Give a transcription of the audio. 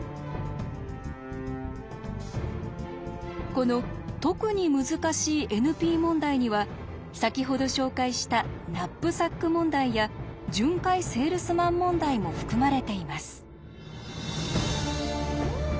この特に難しいＮＰ問題には先ほど紹介したナップサック問題や巡回セールスマン問題も含まれています。